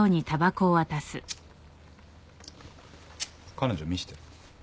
彼女見して。